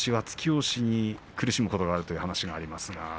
突き押しに苦しむことがあるということがあります。